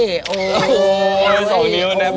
สองนิ้วต์แมวน่ารัก